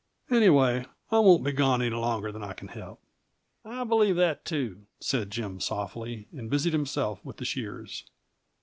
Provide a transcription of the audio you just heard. Anyway, I won't be gone any longer than I can help." "I believe that, too," said Jim softly, and busied himself with the shears.